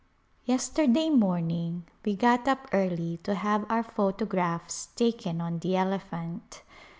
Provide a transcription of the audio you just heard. Yesterday morning we got up early to have our photographs taken on the elephant.